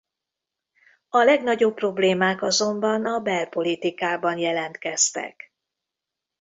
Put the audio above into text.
A legnagyobb problémák azonban a belpolitikában jelentkeztek.